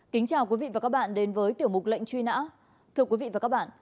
kính chào quý vị và các bạn đến với tiểu mục lệnh truy nã thưa quý vị và các bạn